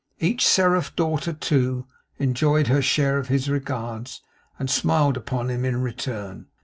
Each seraph daughter, too, enjoyed her share of his regards, and smiled upon him in return.